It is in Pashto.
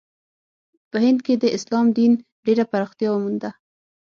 په هند کې د اسلام دین ډېره پراختیا ومونده.